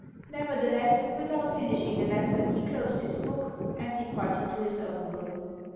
Nevertheless, without finishing the lesson, he closed his book, and departed to his own room.